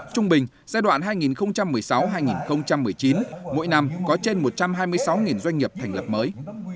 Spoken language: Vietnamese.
trung bình giai đoạn hai nghìn một mươi sáu hai nghìn một mươi chín mỗi năm có trên một trăm hai mươi sáu doanh nghiệp thành lập mới